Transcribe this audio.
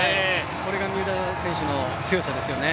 これが三浦選手の強さですね。